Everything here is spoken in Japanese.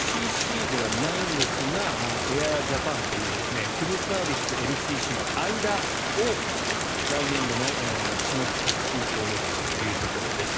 ＡＮＡもＬＣＣではないですがエアジャパンというフルサービスとＬＣＣの間を来年度の下期就航予定ということです。